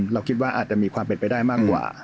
เราคิดว่าอาจจะมีความเป็นไปได้มากกว่า